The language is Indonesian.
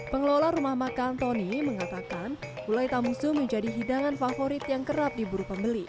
pengelola rumah makan tony mengatakan gulai tamusu menjadi hidangan favorit yang kerap diburu pembeli